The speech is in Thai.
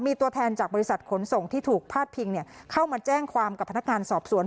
มีตัวแทนจากบริษัทขนส่งที่ถูกพาดพิงเข้ามาแจ้งความกับพนักงานสอบสวน